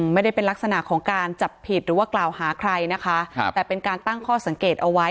ไม่ได้เป็นลักษณะของการจับผิดหรือว่ากล่าวหาใครนะคะครับแต่เป็นการตั้งข้อสังเกตเอาไว้